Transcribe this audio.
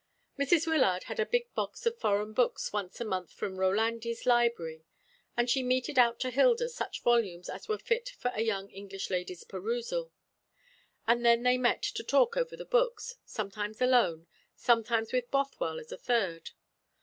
Mrs. Wyllard had a big box of foreign books once a month from Rolandi's library, and she meted out to Hilda such volumes as were fit for a young English lady's perusal; and then they met to talk over the books, sometimes alone, sometimes with Bothwell as a third.